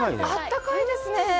あったかいですね。